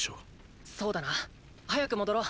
そうだな。早く戻ろう。